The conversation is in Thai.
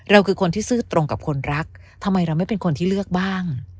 คือคนที่ซื่อตรงกับคนรักทำไมเราไม่เป็นคนที่เลือกบ้าง